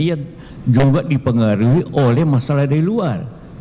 yang juga dipengaruhi oleh masalah dari luar